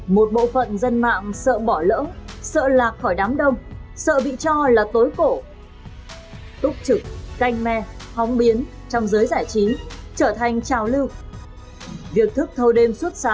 một bộ phận dân mạng sợ bỏ lỡ những chuyện bí mật của nghệ sĩ